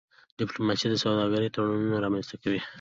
ډيپلوماسي د سوداګرۍ تړونونه رامنځته کوي.